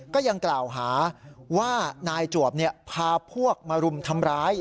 ก็ยังกล่าวหาว่านายจวบพาพวกมารุมทำร้าย